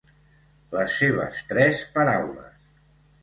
Les seves tres paraules.